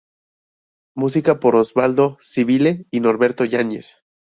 Música por Osvaldo Civile y Norberto Yañez.